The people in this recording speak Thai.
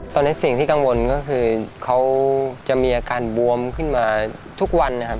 ตอนนี้สิ่งที่กังวลก็คือเขาจะมีอาการบวมขึ้นมาทุกวันนะครับ